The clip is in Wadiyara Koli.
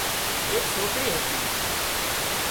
ايڪ سوڪري هتي